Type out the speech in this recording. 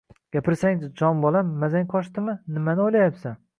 - Gapirsangchi, jon bolam, mazang qochdimi? Nimani o'ylayapsan?